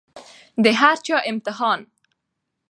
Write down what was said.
د هر چا امتحان